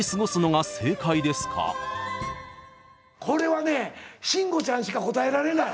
これはね慎吾ちゃんしか答えられない。